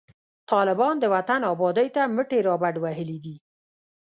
طالبان د وطن آبادۍ ته مټي رابډوهلي دي